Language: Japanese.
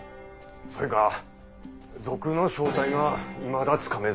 そいが賊の正体がいまだつかめず。